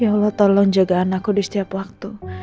ya allah tolong jaga anakku di setiap waktu